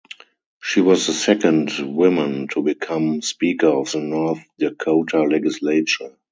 She was the second woman to become speaker of the North Dakota legislature.